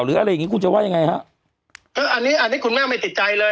หรืออะไรอย่างงี้คุณจะว่ายังไงฮะเอออันนี้อันนี้คุณแม่ไม่ติดใจเลย